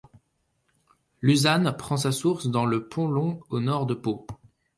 L'Uzan prend sa source dans le Pont-Long au nord de Pau.